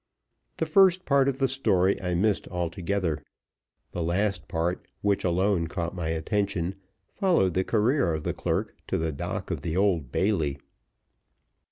The first part of the story I missed altogether. The last part, which alone caught my attention, followed the career of the clerk to the dock of the Old Bailey.